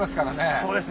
そうですね。